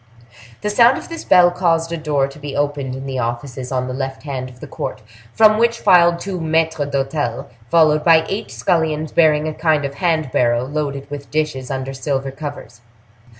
The sound of this bell caused a door to be opened in the offices on the left hand of the court, from which filed two maitres d'hotel followed by eight scullions bearing a kind of hand barrow loaded with dishes under silver covers.